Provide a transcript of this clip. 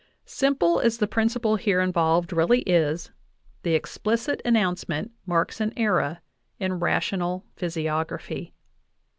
Simple as the principle here involved really is, the explicit an nouncement marks an era in rational physiography.